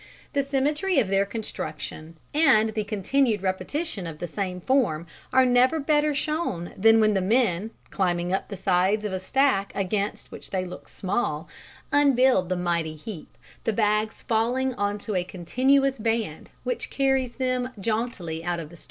The symmetry of their construction, and the continued repetition of the same form, are never better shown than when the men, climbing up the sides of a stack against which they look small, unbuild the mighty heap, the bags falling on to a continuous band which carries them jauntily out of the store.